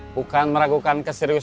bukan meragukan keseriusan